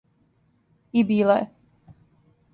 И била је!